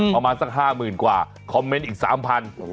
ประมาณสัก๕หมื่นกว่าคอมเมนต์อีก๓พัน